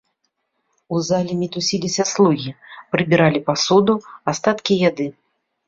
У залі мітусіліся слугі, прыбіралі пасуду, астаткі яды.